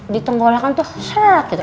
ditenggolekan tuh seret gitu